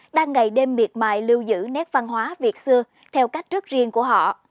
đang ngày đêm miệt mài lưu giữ nét văn hóa việt xưa theo cách rất riêng của họ